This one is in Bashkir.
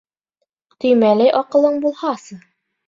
Төймәләй аҡылың булһасы.